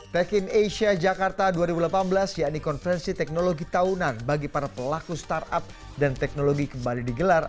pack in asia jakarta dua ribu delapan belas yakni konferensi teknologi tahunan bagi para pelaku startup dan teknologi kembali digelar